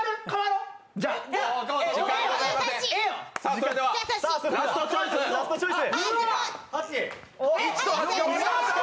それでは、ラストチョイス。